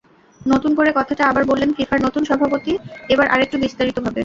নতুন করে কথাটা আবার বললেন ফিফার নতুন সভাপতি, এবার আরেকটু বিস্তারিতভাবে।